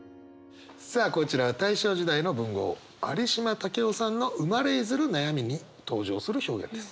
さあこちら大正時代の文豪有島武郎さんの「生れ出づる悩み」に登場する表現です。